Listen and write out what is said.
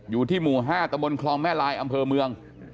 อยู่ที่หมู่๕ตะบนคลองแม่ลายอำเภอเมือง